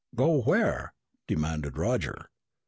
"Go where?" demanded Roger.